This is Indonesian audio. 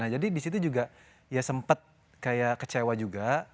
nah jadi disitu juga ya sempat kayak kecewa juga